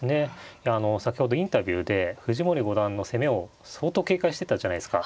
いやあの先ほどインタビューで藤森五段の攻めを相当警戒してたじゃないですか。